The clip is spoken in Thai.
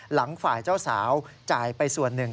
หลังฝ่ายเจ้าสาวจ่ายไปส่วนหนึ่ง